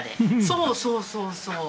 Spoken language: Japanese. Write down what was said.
そうそうそうそう。